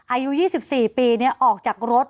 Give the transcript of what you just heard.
อายุ๒๔ปีเนี่ยออกจากรถ